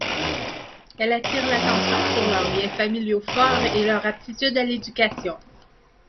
Elle attire l'attention sur leurs liens familiaux forts et leur aptitude à l'éducation.